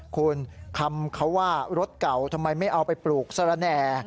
คุณคำเขาว่ารถเก่าทำไมไม่เอาไปปลูกสระแหน่